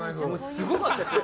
すごかったですよ。